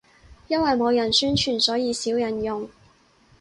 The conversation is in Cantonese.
因為冇人宣傳，所以少人用